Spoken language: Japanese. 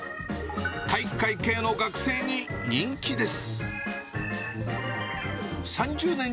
体育会系の学生に人気です。